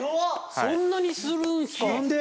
そんなにするんすか？